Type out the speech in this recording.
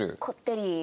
こってり。